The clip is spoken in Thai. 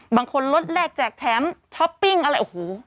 รถแรกแจกแถมช้อปปิ้งอะไรโอ้โห